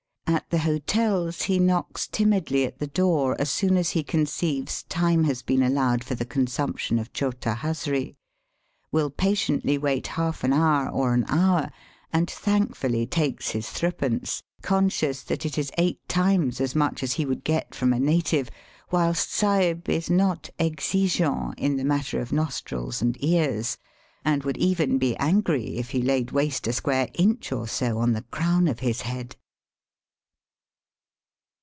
At the hotels he knocks timidly at the door as soon as He conceives time has been allowed for the consumption of chota hazree, will patiently wait half an hour or Digitized by VjOOQIC 324 * EAST BY WEST. an hour, and thankfully takes his threepence ^ conscious that it is eight times as much as he would get from a native, whilst Sahib is not exigeant in the matter of nostrils and ears, and would even be angry if he laid waste a square inch or so on the crown of his head.